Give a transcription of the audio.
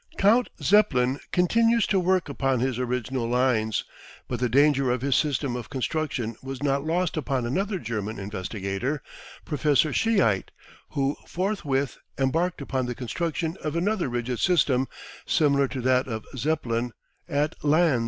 Count Zeppelin continues to work upon his original lines, but the danger of his system of construction was not lost upon another German investigator, Professor Schiitte, who forthwith embarked upon the construction of another rigid system, similar to that of Zeppelin, at Lanz.